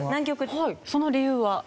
はいその理由は？